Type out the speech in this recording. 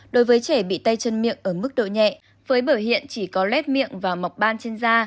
đối với trẻ bị tay chân miệng ở mức độ nhẹ với bởi hiện chỉ có lét miệng và mọc ban trên da